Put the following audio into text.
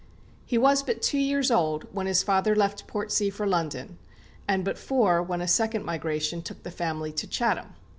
He was but two years old when his father left Portsea for London, and but four when a second migration took the family to Chatham.